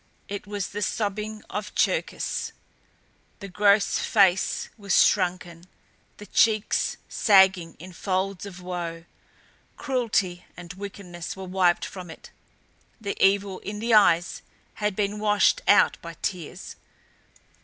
It was the sobbing of Cherkis! The gross face was shrunken, the cheeks sagging in folds of woe; cruelty and wickedness were wiped from it; the evil in the eyes had been washed out by tears.